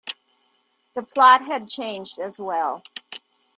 The plot had changed as well.